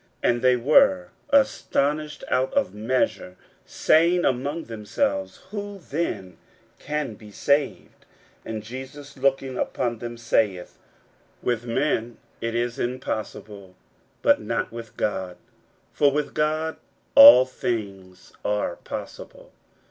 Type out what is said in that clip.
41:010:026 And they were astonished out of measure, saying among themselves, Who then can be saved? 41:010:027 And Jesus looking upon them saith, With men it is impossible, but not with God: for with God all things are possible.